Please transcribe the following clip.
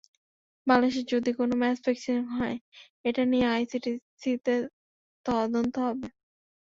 বাংলাদেশে যদি কোনো ম্যাচ ফিক্সিং হয়, এটা নিয়ে আইসিসিতে তদন্ত হবে।